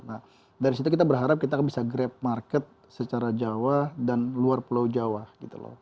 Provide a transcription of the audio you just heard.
nah dari situ kita berharap kita bisa grab market secara jawa dan luar pulau jawa gitu loh